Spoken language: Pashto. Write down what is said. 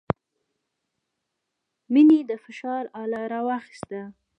مينې د فشار اله راواخيسته.